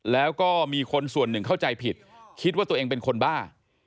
แล้วก็มีคนส่วนหนึ่งเข้าใจผิดคิดว่าตัวเองเป็นคนบ้า